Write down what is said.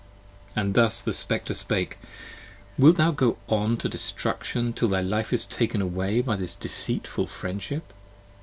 And thus the Spectre spake: Wilt thou still go on to destruction io Till thy life is all taken away by this deceitful Friendship?